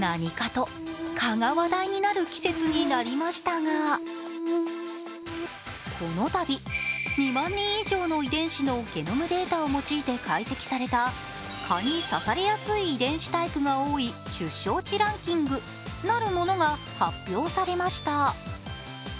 何かと蚊が話題になる季節になりましたがこのたび、２万人以上の遺伝子のゲノムデータを用いて解析された蚊に刺されやすい遺伝子タイプが多い出生地ランキングなるものが発表されました。